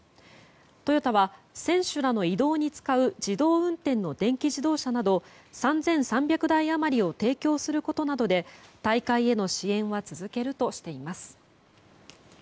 トヨタは選手らの移動に使う自動運転の電気自動車など３３００台余りを提供することなどで大会への支援は続けるとしています。